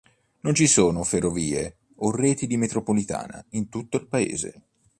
Non ci sono ferrovie o reti di metropolitana in tutto il paese.